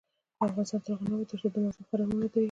افغانستان تر هغو نه ابادیږي، ترڅو د ماغزو فرار ونه دریږي.